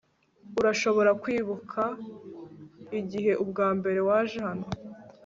Urashobora kwibuka igihe ubwambere waje hano